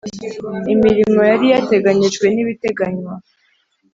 imirimo yari yateganyijwe n’ibiteganywa